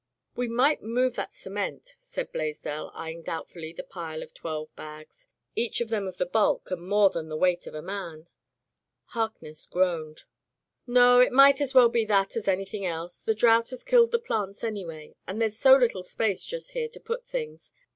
"We might move that cement," said Blais dell, eying doubtfully the pile of twelve bags, each of them of the bulk and more than the weight of a man. Harkness groaned. "No. It might as well be that as anything else. The drouth had killed the plants, anyway, and there's so little space just here to put things.